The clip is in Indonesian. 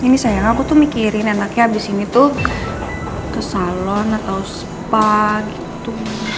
ini sayang aku tuh mikirin enaknya abis ini tuh ke salon atau spa gitu